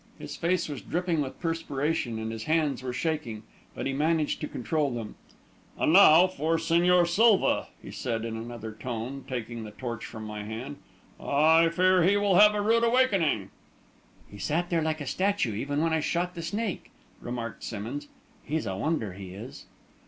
His face was dripping with perspiration and his hands were shaking, but he managed to control them. "And now for Señor Silva," he said, in another tone, taking the torch from my hand. "I fear he will have a rude awakening." "He sat there like a statue, even when I shot the snake," remarked Simmonds. "He's a wonder, he is."